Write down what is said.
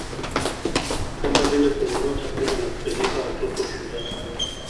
Kama vile kununua chakula na kupeleka watoto shule